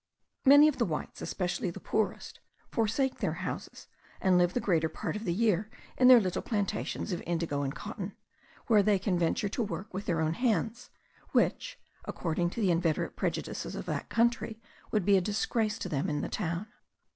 Many of the whites, (especially the poorest,) forsake their houses, and live the greater part of the year in their little plantations of indigo and cotton, where they can venture to work with their own hands; which, according to the inveterate prejudices of that country, would be a disgrace to them in the town.